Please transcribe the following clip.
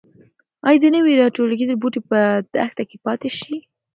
ایا د نوي راټوکېدلي بوټي به په دښته کې پاتې شي؟